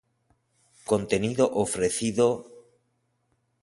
Contenido ofrecido